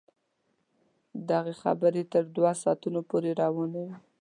دغه خبرې تر دوه ساعتونو پورې روانې وې.